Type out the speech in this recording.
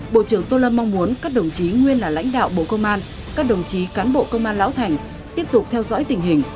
bộ trưởng tô lâm mong muốn các đồng chí nguyên là lãnh đạo bộ công an các đồng chí cán bộ công an lão thành tiếp tục theo dõi tình hình